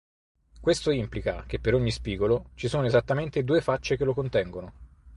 Questo implica che per ogni spigolo, ci sono esattamente due facce che lo contengono.